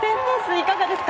いかがですか？